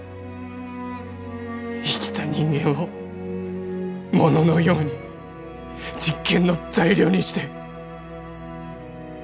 生きた人間をモノのように実験の材料にして。